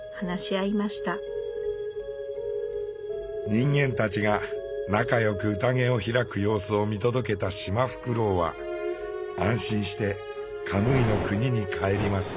人間たちが仲よく宴を開く様子を見届けたシマフクロウは安心してカムイの国に帰ります。